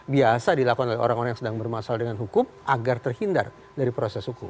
biasa dilakukan oleh orang orang yang sedang bermasalah dengan hukum agar terhindar dari proses hukum